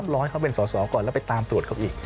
รอให้เขาเป็นสอสอก่อนแล้วไปตามตรวจเขาอีก